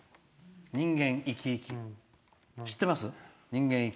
「人間いきいき」知ってます？